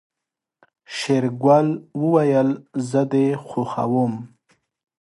شېرګل وويل زه دې خوښوم.